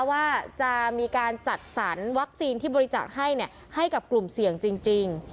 ว่าจะมีการจัดสรรวัคซีนที่บริจาคให้ให้กับกลุ่มเสี่ยงจริง